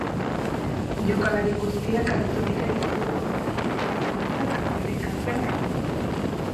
Jokalari guztiak aritu dira itxura onean, eta bakoitzak bere ekarpena egin du.